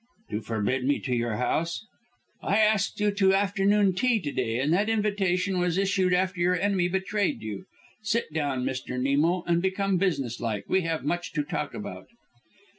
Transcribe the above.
"To forbid me your house?" "I asked you to afternoon tea to day, and that invitation was issued after your enemy betrayed you. Sit down, Mr. Nemo, and become business like. We have much to talk about."